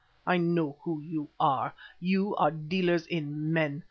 I know who you are. You are dealers in men.